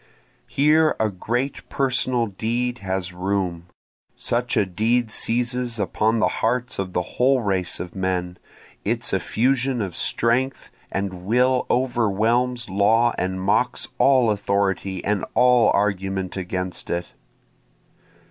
Here a great personal deed has room, (Such a deed seizes upon the hearts of the whole race of men, Its effusion of strength and will overwhelms law and mocks all authority and all argument against it.)